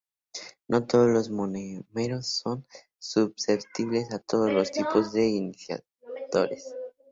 No todos los monómeros son susceptibles a todos los tipos de iniciadores.